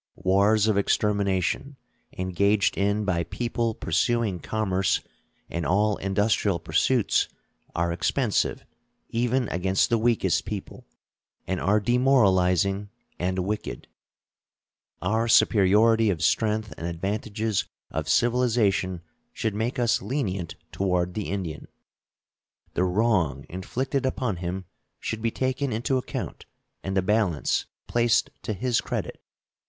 Wars of extermination, engaged in by people pursuing commerce and all industrial pursuits, are expensive even against the weakest people, and are demoralizing and wicked. Our superiority of strength and advantages of civilization should make us lenient toward the Indian. The wrong inflicted upon him should be taken into account and the balance placed to his credit.